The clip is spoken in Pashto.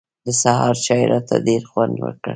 د سهار چای راته ډېر خوند وکړ.